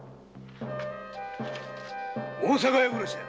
大阪屋殺しだ！